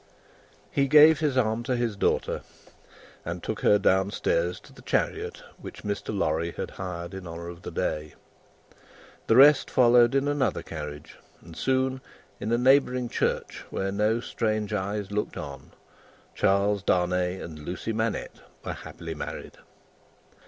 He gave his arm to his daughter, and took her down stairs to the chariot which Mr. Lorry had hired in honour of the day. The rest followed in another carriage, and soon, in a neighbouring church, where no strange eyes looked on, Charles Darnay and Lucie Manette were happily married.